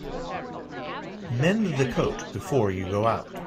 Mend the coat before you go out.